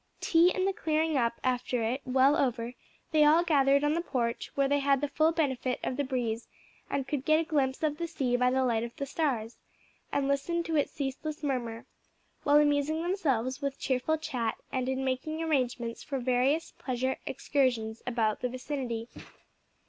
Tea and the clearing up after it well over, they all gathered on the porch, where they had the full benefit of the breeze and could get a glimpse of the sea by the light of the stars, and listen to its ceaseless murmur, while amusing themselves with cheerful chat and in making arrangements for various pleasure excursions about the vicinity.